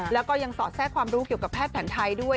แล้วก็ยังสอดแทรกความรู้เกี่ยวกับแพทย์แผนไทยด้วย